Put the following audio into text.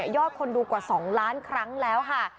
คนดูกว่า๒ล้านครั้งแล้วค่ะ